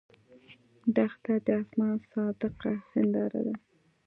دښته د آسمان صادقه هنداره ده.